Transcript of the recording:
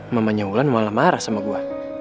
mamanya wulan malah marah sama gue